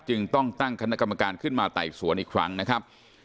จึงต้องตั้งคณะกรรมการขึ้นมาไต่สวนอีกครั้งนะครับ